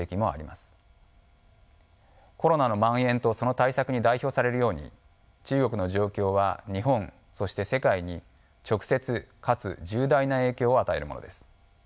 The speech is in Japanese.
コロナのまん延とその対策に代表されるように中国の状況は日本そして世界に直接かつ重大な影響を与えるものです。